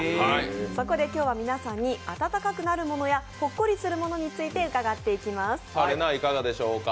そこで今日は皆さんに温かくなるものやほっこりするものについて伺っていきます。